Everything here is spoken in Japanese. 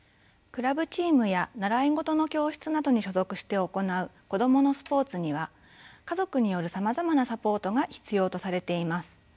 クラブチームや習い事の教室などに所属して行う子どものスポーツには家族によるさまざまなサポートが必要とされています。